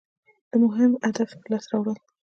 د مهم هدف په لاس راوړل.